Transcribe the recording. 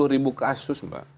empat puluh ribu kasus mbak